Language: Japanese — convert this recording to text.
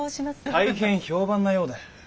大変評判なようで。